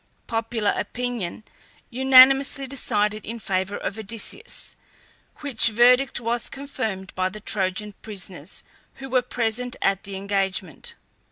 Popular opinion unanimously decided in favour of Odysseus, which verdict was confirmed by the Trojan prisoners who were present at the engagement.